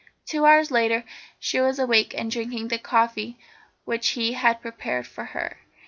Two hours later she was awake and drinking the coffee which he had prepared for her.